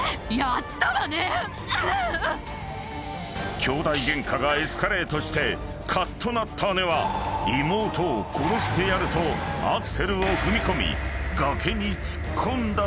［きょうだいゲンカがエスカレートしてかっとなった姉は妹を殺してやるとアクセルを踏み込み崖に突っ込んだというのだ］